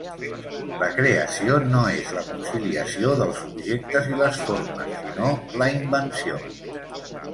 La creació no és la conciliació dels objectes i les formes, sinó la invenció.